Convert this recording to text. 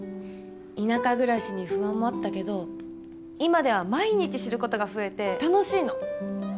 田舎暮らしに不安もあったけど今では毎日知ることが増えて楽しいの。